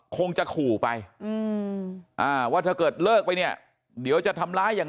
คงจะขู่ไปว่าถ้าเกิดเลิกไปเนี่ยเดี๋ยวจะทำร้ายอย่าง